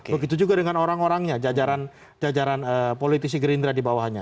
begitu juga dengan orang orangnya jajaran politisi gerindra dibawahnya